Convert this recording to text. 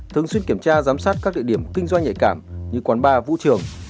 thường xuyên kiểm tra giám sát các địa điểm kinh doanh nhạy cảm như quán bar vũ trường